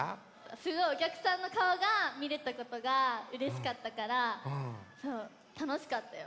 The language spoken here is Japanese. すごいおきゃくさんのかおがみれたことがうれしかったからたのしかったよ。